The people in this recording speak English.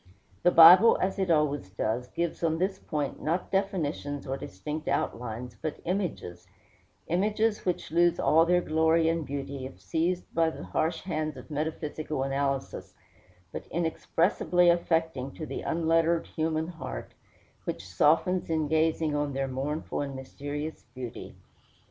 The Bible, as it always does, gives on this point not definitions or distinct outlines, but images images which lose all their glory and beauty if seized by the harsh hands of metaphysical analysis, but inexpressibly affecting to the unlettered human heart, which softens in gazing on their mournful and mysterious beauty.